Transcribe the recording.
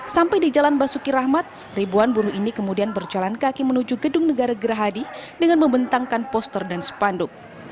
sampai di jalan basuki rahmat ribuan buruh ini kemudian berjalan kaki menuju gedung negara gerahadi dengan membentangkan poster dan sepanduk